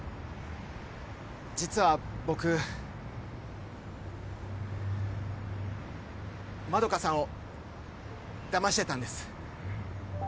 実は僕まどかさんをダマしてたんです。